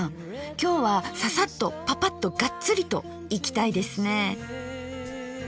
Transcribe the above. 今日はササッとパパッとガッツリといきたいですね。